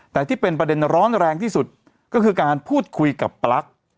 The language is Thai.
แต่ที่เป็นประเด็นร้อนแรงที่สุดก็คือการพูดคุยกับปลั๊ก